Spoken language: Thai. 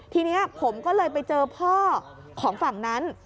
ทีนี้ผมก็เลยไปเจอพ่อของฝั่งนั้น